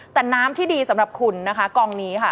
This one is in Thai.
แต่น้ำที่ดีสำหรับคุณนะคะกองนี้ค่ะ